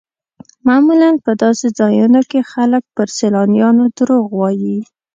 معمولا په داسې ځایونو کې خلک پر سیلانیانو دروغ وایي.